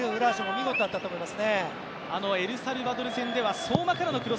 見事だったと思います。